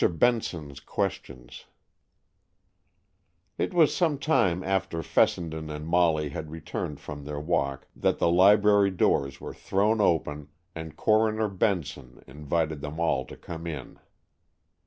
BENSON'S QUESTIONS It was some time after Fessenden and Molly had returned from their walk that the library doors were thrown open, and Coroner Benson invited them all to come in.